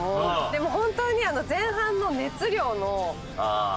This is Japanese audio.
でも本当に前半の熱量のすごさ。